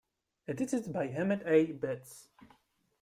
Edited by Emmett A. Betts.